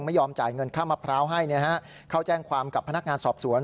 ไม่ยอมจ่ายเงินค่ามะพร้าวให้เข้าแจ้งความกับพนักงานสอบสวน